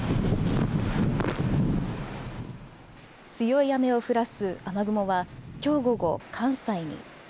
強い雨を降らす雨雲はきょう午後、関西に。